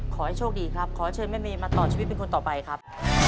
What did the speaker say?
ขอให้โชคดีครับขอเชิญแม่เมย์มาต่อชีวิตเป็นคนต่อไปครับ